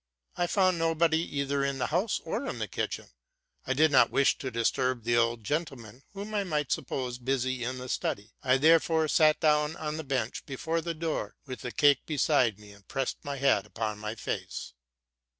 I fanaa nobody, either in the house or in the kitchen; I did not wish to disturb the old gentleman, whom I might suppose busy in the study; I therefore sat down on the bench before the door, with the cake beside me, and pressed my hat upon my face.